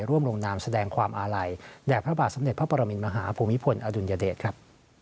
ร่วมลงนามแสดงความอาลัยแด่พระบาทสมเด็จพระปรมินมหาภูมิพลอดุลยเดชครับ